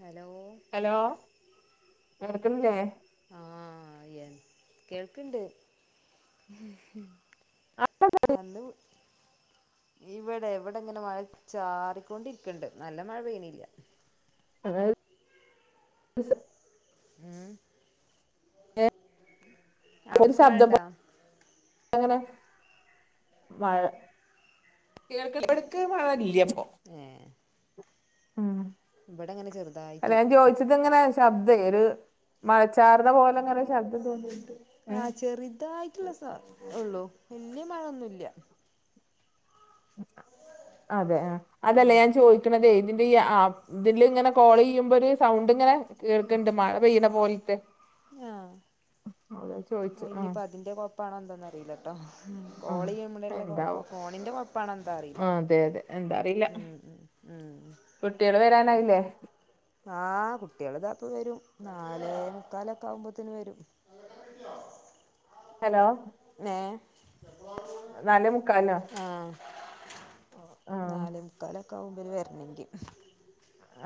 Hello hello കേൾക്കുന്നില്ലേ ആ എൻ കേൾണ്ട് [unintelligible] നല്ലൂ ഇവിടെ ഇവിടെ ഇങ്ങനെ മഴ ചാറിക്കൊണ്ടിരിക്കണ്ട് നല്ല മഴ പെയ്യണില്ല അതാണ് ഉം അവിടക്കെ മഴയുണ്ടോ? എങ്ങനാ മഴ കേൾക്ക ഇബാട്ക് മഴ ഇല്ലിപ്പൊ ഏഹ് ഉം ഇവിടെ അങ്ങനെ ചെറു അല്ല ഞാൻ ചോദിച്ചത് ഇങ്ങനെ ശബ്ദമേ ഒരു മഴ ചാറുന്ന പോലെ അങ്ങനെ ശബ്ദം തോന്നിയിട്ട് ആ ചെറുതായിട്ടുള്ള സ ഉള്ളു വല്യ മഴയൊന്നുമില്ല അതെ ആഹ് അതല്ല ഞാൻ ചോദിക്കണതേ ഇതിന്റെ ഈ ആ ഇതില് ഇങ്ങനെ കോൾ ചെയ്യുമ്പോ ഒരു സൗണ്ട് ഇങ്ങനെ കേൾക്കുണ്ട് മഴ പെയ്യണ പോലത്തെ ഇനിയിപ്പോ അതിന്റെ കൊഴപ്പാണോ എന്തോന്ന് അറിയില്ലട്ടോ കോൾ ചെയ്യുമ്പോളുള്ള കുഴപ്പ ഫോണിന്റെ കൊഴപ്പ പ്പനന്തറീല്ല ഉം ഉം ഉം കുട്ടികൾ വരാനായില്ലേ ആ കുട്ടികളിതാ ഇപ്പ വരും നാലേമുക്കാലൊക്കെ ആകുമ്പോത്തേന് വരും ഹലോ ഏ നാലേ മുക്കാലോ ആ നാലേമുക്കാലൊക്കെ ആകും ഇബൽ വരണെങ്കിൽ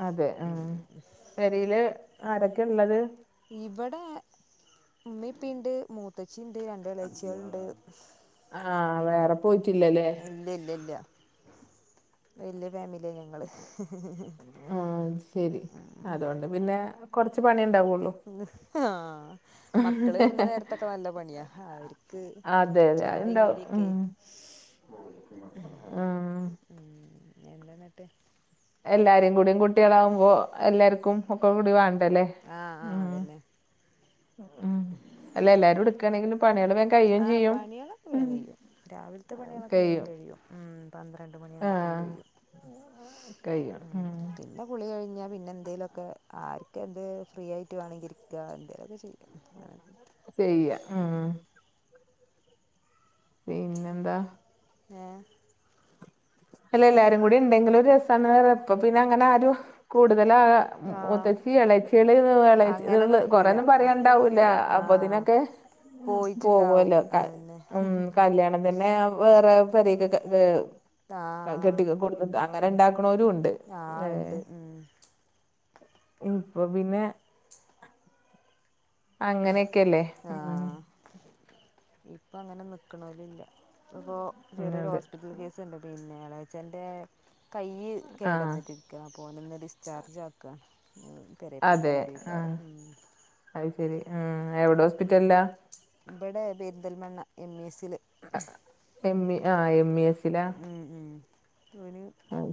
അതെ ഉം പെരയില് ആരൊക്കെ ഉള്ളത് ഇവിടെ ഉമ്മീം ഇപ്പിയുണ്ട് മൂത്ത് മൂത്തച്ചിണ്ട് രണ്ട് എളേചിയാള്ണ്ട് ഉം ഉം ഇല്ല്യല്ല്യ വല്യ ഫാമിലിയാ ഞങ്ങള് ആ ശരി അതോണ്ട് പിന്നെ കുറച്ച് പണിയേ ണ്ടാവുള്ളു ഉം ആ മക്കള് വരുന്ന നേരത്തൊക്കെ നല്ല പണിയാ അവര്ക്ക് അതെതയാലുണ്ടാവും ഉം ഏഉം ഉം എന്താന്നിട്ട് എല്ലാരീം കൂടി കുട്ടിയാളാവുമ്പോ എല്ലാർക്കും ഒക്കെ കൂടി വാണ്ടല്ലേ ആ ആ അതന്നെ ഉം അല്ല എല്ലാരുടുക്കാണെങ്കില് പണിയാള് വേം കയ്യും ആ പണിയാളൊക്കെ വേം കഴിയും രാവിലത്തെ പണിയാളൊക്കെ വേം കഴിയും ഉം പന്ത്രണ്ട് മണിയാകുമ്പത്തിന് കയ്യും ഉം പിന്നെ പിന്നെ കുളി കഴിഞ്ഞാ പിന്നെ എന്തേലൊക്കെ ആർക്കെന്ത് ഫ്രീ ആയിട്ട് വാണങ്കി ഇരിക്ക എന്തേലൊക്കെ ചെയ്യും ചെയ്യ ആഹ് പിന്നെന്താ ഏ അല്ല എല്ലാരും കൂടി ഇണ്ടെങ്കില് ഒരു രസാണ് പ്പ പിന്നെ അങ്ങനെ ആരും കൂടുതലാ മൂത്തച്ചി എളേച്ചികള് എളേച്ചികള് കൊറേന്നും പറയണ്ടാവൂല്ല അപ്പൊതിന് ക്കെ പോവോല്ലോ ക ഉം കല്യാണം തന്നെ വേറെ പെരീകൊക്കെ ക്കെ ക കെട്ടി കൊടുന്ന് അങ്ങനെണ്ടാക്കുണോരുണ്ട് ആഹ് അഹ്ണ്ട് ഉം ഇപ്പോപിന്നെ ആ ഇപ്പ അങ്ങനെ നിക്ക്ണോല് ല്ല ഇപ്പപ്പോ ചെറിയൊരു ഹോസ്പിറ്റൽ കേസ്ണ്ട് പിന്നെ എളേച്ചൻ്റെ കയ്യ് കേടന്നിട്ടിരിക്ക അപ്പൊ ഒനോന്ന് ഡിസ്ചാർജ് ആക്കാ ഉം ചെലേപ്പോ കൊന്റ്രെകാരം ഉം അത് ശരി ആ എവടെ ഹോസ്പിറ്റല്ല ഇബടെ പെരിന്തൽമണ്ണ എം ഇ എസി ല് എം ഇ ആ എം ഇ എസ് ഉംഉം ഓന്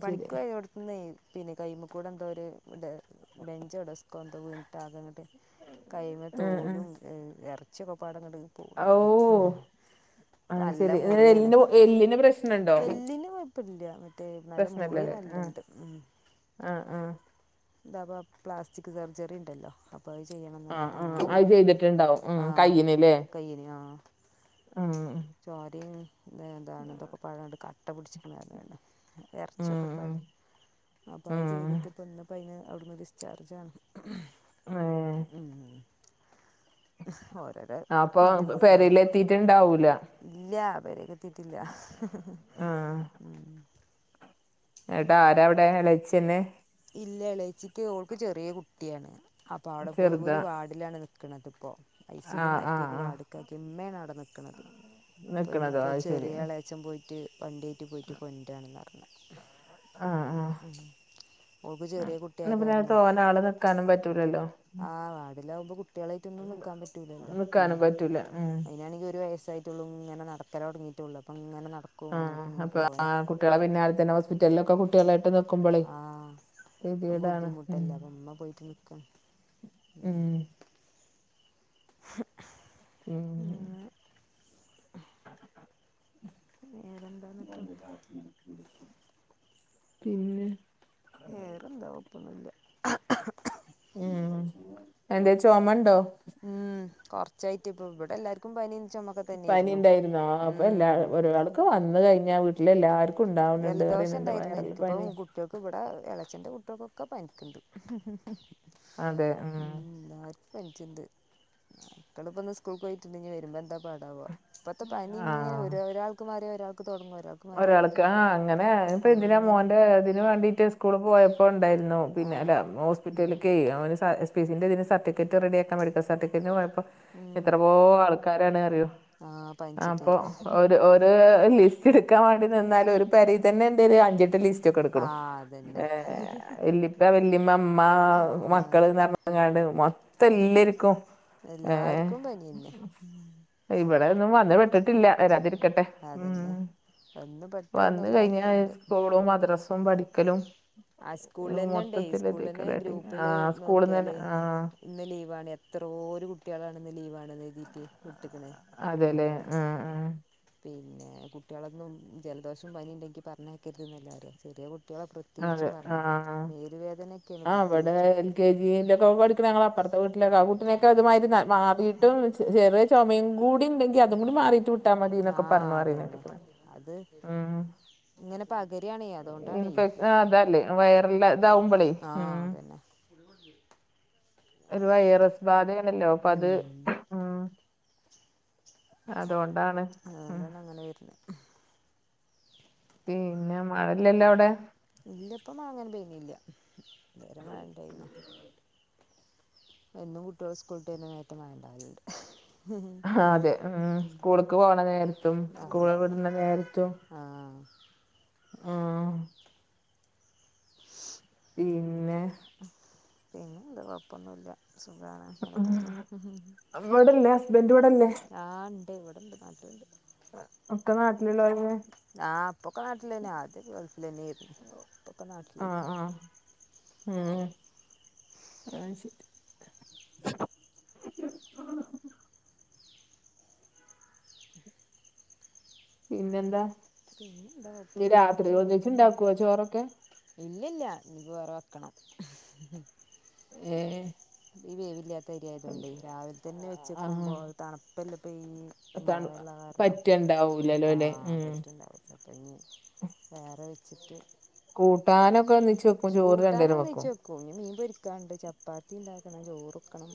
പണിക്കോയോട്ത്ത് നേര്ത്തിന് കയ്യ്മ്മകൂടെ എന്തോ ഒരു ഡേ ബെഞ്ചോ ഡെസ്കോ ന്തോ വീണിട്ട് ആകങ്ങട്ട് കയ്യ്മ്മേ തോലും ഉം എറച്ചിയൊക്കെപാടങ്ങട്ട് ഉം നല്ല മുറിയാണ് എല്ലിന് പ്രശ്നണ്ടോ എല്ലിന് കുഴപ്പല്ല മറ്റേ നല്ല മുറി നല്ലണ്ട് ഉം ആ ആ എന്താപ്പോ പ്ലാസ്റ്റിക് സർജറിണ്ടല്ലോ പ്പ അഹ് ചെയ്യണന്ന് പറഞ്ഞിട്ടങ്ങനെ ആ കയ്യിനോ ചോരീം ദ്ന്താണ് ഇതൊക്കെപാടണ്ട് കട്ട പിടിച്ചിക്കുന്നാണ് എറച്ചിയൊക്കപാടെ അപ്പോ അത് ചെയ്തിട്ട് ഇപ്പ ഇന്ന്പ്പോ അയിന് അവ്ട്ന്ന്പ്പോ ഡിസ്ചാർജാണ് ഉം ഹ് ഓരോ ആപ്പൊ പെരീലെത്തിയട്ട്ണ്ടാവൂല ഇല്ല്യാ പേരിലെത്തിയിട്ടില്ല ഉം ഇങ്ങട്ട് ആരവ്ടെ എളച്ചിയെന്നെ ഇല്ല്യ എളേച്ചിക്ക് ഓൾക്ക് ചെറിയെ കുട്ട്യാണ് അപ്പൊ അവിടെ പോയി ഓന് വാടക ടിലാണ് നിക്കണത്പ്പോ ഐസിയൂന്ന് മാറ്റിയെക്ക് വാട്ക്കാക്കിക്ക്ണ് ഇമ്മേണ് അടെ നിക്കണത് പ്പൊ ഇഞ്ഞിപ്പോ ചെറിയ എളേച്ചന് അച്ചം പോയിട്ട് വണ്ടിയേറ്റ് പോയിട്ട് കൊണ്ട്രാണ്ന്ന പറഞ്ഞേ ഉം ആ ന്ന പിന്നെ തോന ആള് നിക്കാനും പറ്റൂലല്ലോ ആ വാടിലാകുമ്പോ കുട്ടികളേറ്റൊന്നും നിക്കാൻ പറ്റൂലല്ലോ പിന്നെ അയിനാണെങ്കി ഒരു വയസായിറ്റൊള്ളൂ കുട്ടിയാള്ളുങ്ങനെ നടക്കല് തൊടങ്ങിട്ടുള്ളൂ അപ്പങ്ങനെ നട്ക്കും ആ അപ്പളആ കുട്ട്യാളെ പിന്നെ [unintelligible] തന്നെ ഹോസ്പിറ്റൽലൊക്കെ കൊ കുട്ട്യാളായിട്ട് നിക്കുമ്പൊളെയ്, കെത്യേടാണ് ഉം ഉം ഉം വേറെൻ പിന്നെ വേറെന്താ കൊപ്പൊന്നുല്ല ഉം എന്തേ ചൊമ ഉണ്ടോ. ഉം കൊർച്ചായിട്ട്പ്പൊ, വിടെ എല്ലാർക്കും പനിം ചൊമെക്കെ തന്നേര്ന്നു ഉം ക്കെ വന്ന് കഴിഞ്ഞാ വീട്ടിലെല്ലാർക്കും ഉണ്ടാവ്ണ് ണ്ട് പറിണ് ണ്ട് വൈറൽ പനിം കുട്യോക്ക് വടെ എളച്ചൻ്റെ കുട്യോക്കൊക്കെ പനിക്ക്‌ണ്ട് ഉം ല്ലാർ പൻച്ച്ണ്ട്. മക്കള് പ്പന്ന് സ്കൂൾക്കോയിട്ട്ണ്ട്, ഞ്ഞി വരുമ്പന്താ പാടാവാ പ്പത്തെ പനി ഇങ്ങനെ ഒരു ഒരാൾക്ക് മാറിയാ ഒരാൾക്ക് തൊടങ്ങും ഒരാൾക്ക് മാറിയാ അങ്ങനെ പ്പൊ എന്തിനാ മോന്റെ തിന് വേണ്ടീട്ട് സ്കൂള് പോയപ്പോ ണ്ടായിന്നു, പിന്നെ അല്ല ഹോസ് ഹോസ്പി റ്റലിക്കേ അവന് ടിസി ന്റതിന് സർട്ടിഫി ക്കറ്റ് റെഡി യാക്കൻ മെടി ക്കൽ സർട്ടഫിക്കറ്റിന് പോയപ് എത്ര പോ ആൾക്കാരാണ് ന്അറിയോ അപ്പൊ ഒര് ഓ ര്. ത് ലിസ്റ്റ് ഇടുക്കാൻ വേണ്ടി നിന്നാലും ഒരു പെരെ തന്നെ ഉണ്ട് അഞ്ചട്ട് ലിസ്. റ്റൊക്കെടുക്കണം. ഏ വെല്ലിപ്പ വെല്ലിമ്മ മ് മ്മാ മക്കള് ന്നർ ങ്ങാണ്ട് മൊത്തം എല്ലെര്ക്കും എല്ലാർക്കും പനിയന്നെ ഉം... ഇവിടെയൊന്നും വന്ന് പെട്ട്ട് ഉം അതന്നെ ഒന്നും വന്ന് കഴിഞ്ഞാ പിന്നെ സ്കൂളും മദ്രസും പഠിക്കലും ആ സ്കൂളിലെ ന്നെ ഉണ്ടേ സ്കൂളന്നെ ഗ്രൂപ്പില് നോക്കിയാല്. ഇന്ന് ലീവാണ്. എത്രോരു കുട്യാളാണ് ഇന്ന് ലീവാണത് തീറ്റ് വിട്ട്ക്ക്ണ് അപ്പോ പിന്നെ കുട്യാളൊന്നും ജൽദോഷും പനിണ്ടെങ്കി പർഞ്ഞേക്കര്ത് ന്നെല്ലെ പറ്യ. ചെറിയ കുട്യളെ പ്ര ത്യേച്ചും പർനേക്കര്ത്. മേല് വേദനൊക്കേണ് പ്രത്യേകിച്ചും ത്ത വീട്ടിലതാ ആ കുട്ടിനെക്കെ ഇ തുമാതിരി ആവി ട്ടും വിളിച്ച്. ചെറ്യേ ചൊമയും കൂടിണ്ടെങ്കി അതും കൂടി മാറിട്ട് വിട്ടാമതിന്നാ ആ അതന്നെ അത് ഇങ്ങനെ പകരാ ണേ അതോണ്ടാണേ. [unintelligible] അതല്ലേ വൈറല് ഇതാവുമ്പോളേ ഉം. അ തന്നെ. ഗുളിക ഡ്ച്ചു. ഒരു വൈറസ് ബാധേണല്ലോ അപ്പത് അതോണ്ടാണ് ഉം ഇങ്ങനെ വര്ണേ. പിന്നെ മഴല്ല ല്ലോ അവിടെ. ഇല്ല ഇപ്പ മഴ ങ്ങനെ പെയ്യ് ണ് ല്ല ഇതെ രെ ഉണ്ടേ യീനി. എന്നും കുട്ടേള് സ്കൂള് ട്ടേര്ന്ന നേരത്ത് മഴ ഉണ്ടാവല് ണ്ട്. ഹാ തേ ഉം സ്കൂള്ക്ക് പോണ നേരത്തും സ്കൂൾ വിടണ നേരത്തും. ആഹ് ആഹ് പിന്നെന്താ കൊഴപ്പൊന്നുല്ല സുഖാണ്, ങ്ങെനെ പോണു ആണ്ടെയ് വടെണ്ട് നാട്ട്ണ്ട് അ ഒക്കെ നാട്ടില്ള്ളോലെല്ലേ ആഹ് ഇപ്പൊക്ക നാട്ടിലന്നെ ആദ്യൊക്കെ ഗൾഫിൽ തന്നെയായിരുന്നു ഇപ്പൊക്കെ നാട്ടിലായിക്ക് ഉം ആ ശെരി പിന്നെന്താ ഇനി രാത്രി ഒന്നിച്ചിണ്ടാക്കുവോ ചോറൊക്കെ ഇല്ലില്ല്യ ഇനിപ്പോ വേറെ വെക്കണം ഏഹ് ദി വേവില്ല്യാ തരിയായതു കൊണ്ടേ രാവിലെ തന്നെ വെച്ചെക്കുമ്പോ അത് തണുപ്പല്ലെപ്പോ ഈ മഴള്ള കാരണം ആഹ് പെട്ട്ണ്ടാവും അപ്പ ഇനി വേറെ വെച്ചിട്ട് കൂട്ടാനൊക്കെ ഒന്നിച്ച് വെക്കും ചോറ് രണ്ടേരം വെക്കും കുഞ്ഞി മീൻ പൊരിക്കാൻണ്ട് ചപ്പാത്തി ഇണ്ടാക്കണം ചോറുക്കണം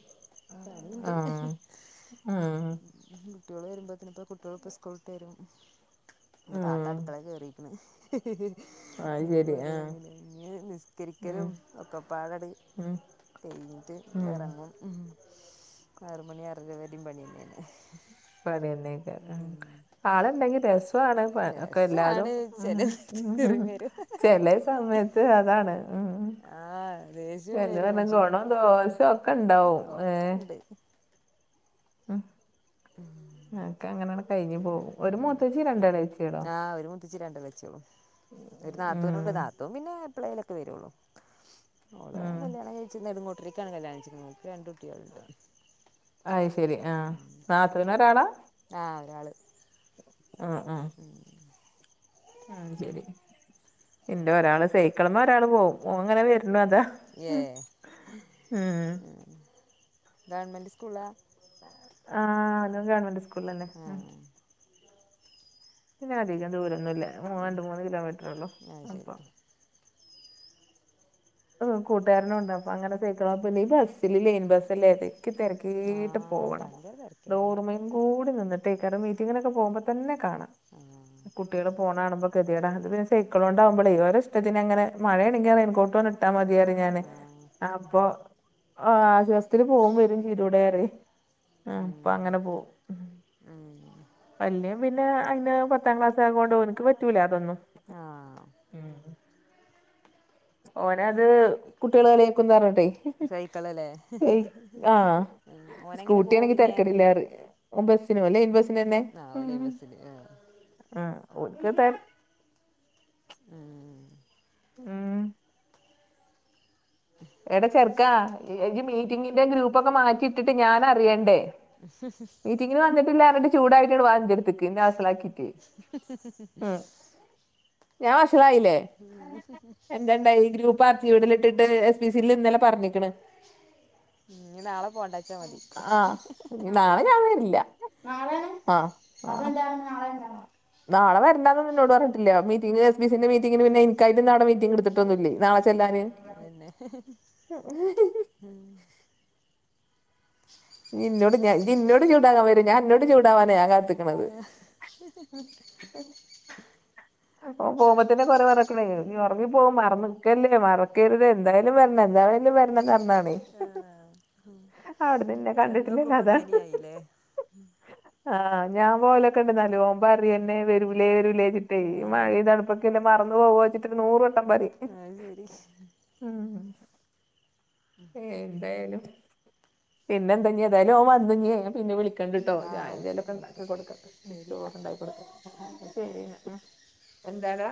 പണിയിണ്ട് കുട്ട്യോള് വരുമ്പത്തിനിപ്പ കുട്ട്യോളിപ്പ സ്കൂള് വിട്ട് വരും എന്റെ താത്ത അടുക്കള കേറീക്ക്ണ് ഇനിയിപ്പ ഓരോ പണിയല്ലേ ഇഞ്ഞ് നിസ്കരിക്കലും ഒക്കപ്പാടാട് കഴിഞ്ഞിട്ട് എറങ്ങും ഉം ആറ് മണി ആറര വരിം പണിയന്നേ അല്ലോ പണിയന്നേക്കാരം ആഹ് ആള്ണ്ടെങ്കിൽ രസ് സവാണ് പണിയൊക്കെ എല്ലാതും ഉം ഉം ചെലേ സമയത്ത് അതാണ് ആഹ് ദേഷ്യം വരും മനുഷ്യന് ദോശ ഒക്കെ ഇണ്ടാവും ഏഹ് ഉം അ ഒക്കെ അങ്ങനാണ് കഴിഞ്ഞു പോവും ഒരു മൂത്തച്ചി രണ്ടെളയച്ചികളോ ത്തച്ചി രണ്ടെളേച്ചികളും ഒരു നാത്തൂനുണ്ട് നാത്തൂൻ പിന്നെ എപ്പളേലൊക്കെ വരൊള്ളൂ ഓള് കല്യാണം കഴിച്ച് നെടുങ്ങോട്ടൂരേക്കാണ് കല്യാണം കഴിച്ചേക്കുന്നത് ഓക്ക് രണ്ട് കുട്ടികള്ണ്ട് അയ് ശരി ആഹ് നാത്തൂന് ഒരാളാ ആഹ് ഒരാള് ആഹ് ആഹ് ഉം ഉം ശരി ഇൻ്റെയൊരാള് സൈക്കളുമ്മെ ഒരാള് പോവും ഓങ്ങനെ വര്ണു അതാ ഏഹ് ആഹ് ഗവൺമെൻ്റ് സ്കൂള്ളാ ആഹ് ഓനും ഗവൺമെൻ്റ് സ് ഏഹ് പിന്നധിക ദൂരൊന്നുല്ല മൂ രണ്ട് മൂന്ന് കിലോമീറ്ററൊള്ളൂ അപ്പൊ ആഹ് കൂട്ട്കാരനോണ്ട് അപ്പങ്ങനെ സൈക്കളാ പിന്നെ ഈ ബസ്സില് ലെയിൻ ബസ്സല്ലേ തിക്കി തെരക്ക് ക്കീട്ട് പോവണം ഡോറുമ്മേം കൂട നിന്നിട്ടേക്കാരം മീറ്റിങ്ങിനൊക്കെ പോവുമ്പ തന്നെ കാണാ ആഹ് കുട്ടികള് പോണ കാണുമ്പോ ഗതികേടാ ഇത് പിന്നെ സൈക്കളോണ്ടാവുമ്പളേ ഓരെ ഇഷ്ടത്തിനങ്ങനെ മഴേണെങ്കി ആ റെയിൻകോട്ടുവാണ് ഇട്ട് ഇട്ടാ മതിയറയും ഞാന് അപ്പൊ ആശ്വാസത്തില് പോവും വരും ചെയ്തൂടേ അറയും ഉം അപ്പങ്ങനെ പോവും വല്യോൻ പിന്നെ അയിൻ്റെ പത് ത്താം ക്ലാസായകോണ്ട് ഓൻക്ക് പറ്റൂലാ അതൊന്നും ഓനെ അത് കുട്ടികള് കളിയാക്കുംന്ന് പറഞ്ഞട്ടേ ഏയ് ആഹ് സ്കൂട്ടിയാണെങ്കി തരക്കേടില്ലാറയും ഓംബെസ്സിന് ഓൻലൈൻ ബസ്സിനെന്നെ ഉം ഉം ആഹ് ഓൻക്ക് തെര് ആഹ് ഉം [inaudible] എട ചെർക്കാ ഇ ഇജ്ജ് മീറ്റിങ്ങിൻ്റെ ഗ്രൂപ്പൊക്കെ മാറ്റിയിട്ടിട്ട് ഞാനറിയണ്ടേ മീറ്റിങ്ങിന് വന്ന്ട്ടില്ലാറ്ഞ്ഞിട്ട് ചൂടായിട്ട് ഇങ്ങ്ട് വാ ഇൻ്റെട്ത്ത്ക്ക് ഇന്നെ അഷ്ളാക്കി ഞാൻ വഷളായില്ലേ എന്തണ്ടായി ഗ്രൂ പ്പാർച്ചീവ്ഡ്ലിട്ടിട്ട് എസ് പി സി ലിന്നലെ പറഞ്ഞിക്ക്ണ് ആഹ് നാളെ ഞാൻ വരില്ല ആഹ് നാള വരണ്ട ഒന്നും നിന്നോട് പറഞ്ട്ടില്ല മീറ്റി എസ് ബിസിന്റെ മീറ്റി പിന്നെ ഇൻക്കായിട്ട് നാള മീറ്റിംഗ് എടുത്ത് [unintelligible] നാളെ ചെല്ലാന് അതന്നെ ഉ [unintelligible] ഉമ് നി ന്നോട് ഞ നന്നോട് ചൂടാകാൻ വേണ്ടി ഞൻ അന്നോട് ചൂടാവാന ഞാൻ കാത്ത് ഏഹ് ഓ പോകപറ്റ ത്തറക്കണേ നി ഉറങ്ങി പോ മറന്നക്കല്ലേ മറക്കരുതെ എന്തായാലും വരണം എന്തായാലും വരണന്ന് പറഞ്ഞ ആഹ് ചെന്നോക്കുമ്പോ ഇങ്ങനെ ആയില്ലേ ആഹ് ഞാൻ പോലൊക്കണ്ട് നല്ലോം പറയുന്നേ വരൂലേ വരൂലേ ചിട്ടേ മഴ പ്പക്ക്ന്നേ മറന്ന് പോകോച്ചിട്ട് നൂറ് വട്ടം പറിം ആഹ് ശരി ആഹ് എന്തായാലും പിന്നന്ത തായാലും ഓ വന്ന് ഞ്ഞി പിന്ന വിളി ണ്ട്ട്ടോ ചായന്തേലൊക്കെ ണ്ടാക്കി കൊടുക്കട്ടെ ചോറുണ്ടാ ശരി എന്നാ ഉം എന്താണ്